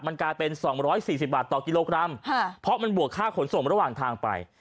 มันกลายเป็น๒๔๐บาทต่อกิโลกรัมเพราะมันบวกค่าขนส่งระหว่างทางไป